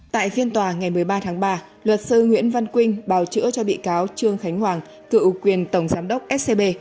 tại phiên tòa ngày một mươi ba tháng ba luật sư nguyễn văn quynh bào chữa cho bị cáo trương khánh hoàng cựu quyền tổng giám đốc scb